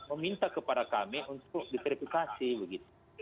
meminta kepada kami untuk diverifikasi begitu